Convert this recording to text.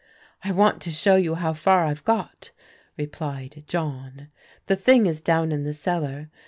'' I want to show you how far I've got," replied John. The thing is down in the cellar.